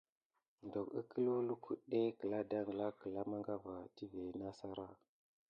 Dok ǝklǝw lukudé kǝla dangla kǝla mangava tivé nah sara.